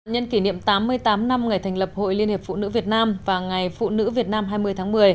nhân kỷ niệm tám mươi tám năm ngày thành lập hội liên hiệp phụ nữ việt nam và ngày phụ nữ việt nam hai mươi tháng một mươi